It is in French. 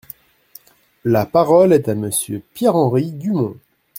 La parole est à Monsieur Pierre-Henri Dumont.